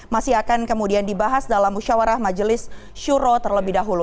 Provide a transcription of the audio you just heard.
masih akan kemudian dibahas dalam musyawarah majelis syuro terlebih dahulu